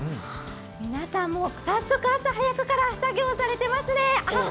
皆さん、もう早速朝早くから作業されていますね。